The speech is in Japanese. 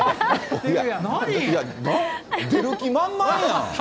出る気満々やん。